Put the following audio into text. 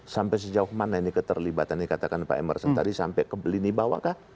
sampai sejauh mana ini keterlibatannya katakan pak emerson tadi sampai ke beli ini bawah kah